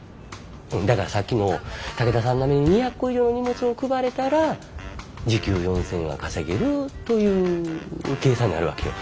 だからさっきの武田さん並みに２００個以上の荷物を配れたら時給４，０００円は稼げるという計算になるわけよ。